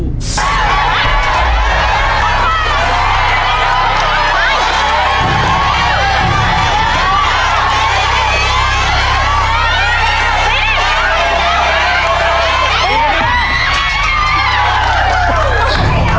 นไป